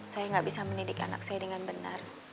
saya nggak bisa mendidik anak saya dengan benar